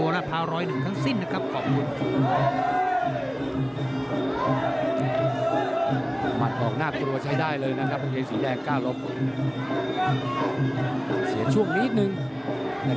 ทุกคนพารอยถึงสิ้นขอบคุณ